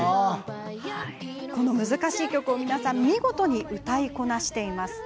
この難しい曲を皆さん見事に歌いこなしています。